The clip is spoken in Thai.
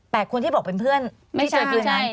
แปดคนที่บอกเป็นเพื่อนที่เจอคืนนั้น